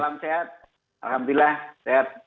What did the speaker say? selamat malam sehat alhamdulillah sehat